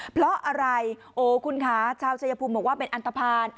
เพราะอะไรโอ้คุณคะชาวชายภูมิบอกว่าเป็นอันตภัณฑ์